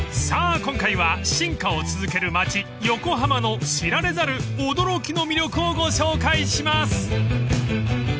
今回は進化を続ける町横浜の知られざる驚きの魅力をご紹介します］